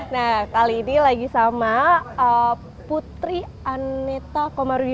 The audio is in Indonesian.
nah kali ini lagi sama putri aneta komarudi